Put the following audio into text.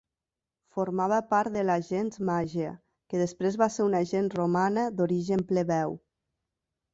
Formava part de la gens Màgia, que després va ser una gens romana d'origen plebeu.